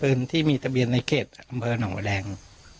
ปืนที่มีทะเบียนในเครศอำเพลินหวัดแดง